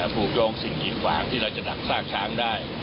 ผูกโยงสิ่งกีดขวางที่เราจะดักซากช้างได้